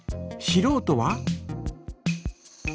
しろうとは？